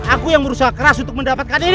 aku yang berusaha keras untuk mendapatkan ini